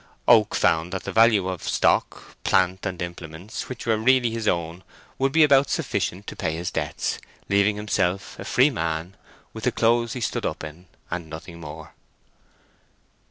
Oak found that the value of stock, plant, and implements which were really his own would be about sufficient to pay his debts, leaving himself a free man with the clothes he stood up in, and nothing more.